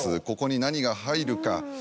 ここに何が入るか？